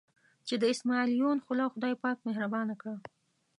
چې د اسمعیل یون خوله خدای پاک مهربانه کړه.